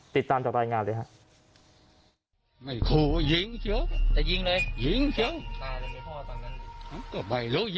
ติดตามจากรายงานเลยครับ